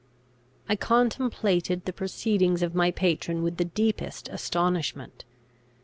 I contemplated the proceedings of my patron with the deepest astonishment.